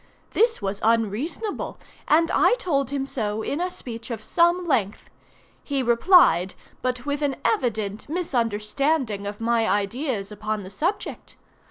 This was unreasonable, and I told him so in a speech of some length. He replied, but with an evident misunderstanding of my ideas upon the subject.